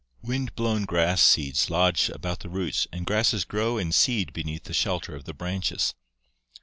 Windblown grass seeds lodge about the roots and grasses grow and seed beneath the shelter of the branches.